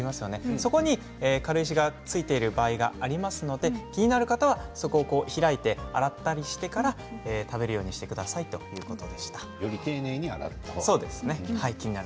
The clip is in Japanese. そこに軽石が付いている場合がありますのでそこを開いて洗ったりしてから食べるようにしてくださいということです。